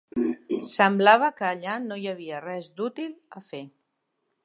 Semblava que allà no hi havia res d'útil a fer.